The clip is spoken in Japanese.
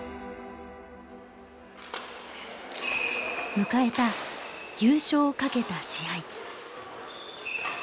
迎えた優勝を懸けた試合。